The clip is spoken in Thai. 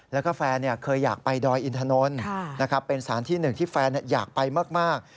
แล้วก็แฟนเคยอยากไปดอยอินถนนเป็นสารที่หนึ่งที่แฟนอยากไปมาก